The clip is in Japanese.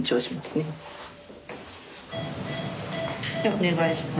お願いします。